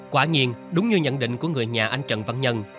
tất nhiên đúng như nhận định của người nhà anh trần văn nhân